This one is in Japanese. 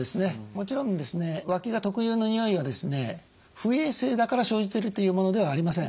もちろんわきが特有のにおいは不衛生だから生じているというものではありません。